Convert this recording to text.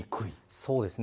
そうですね。